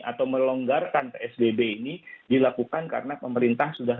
atau melonggarkan psbb ini dilakukan karena pemerintah sudah